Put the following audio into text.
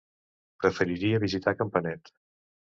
Preferiria visitar Campanet.